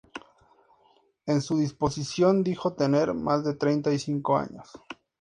En su deposición dijo tener más de treinta y cinco años.